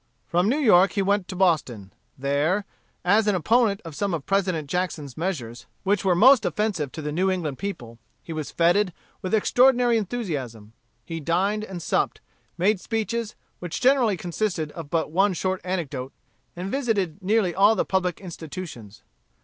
From New York he went to Boston. There, an the opponent of some of President Jackson's measures which were most offensive to the New England people, he was feted with extraordinary enthusiasm. He dined and supped, made speeches, which generally consisted of but one short anecdote, and visited nearly all the public institutions.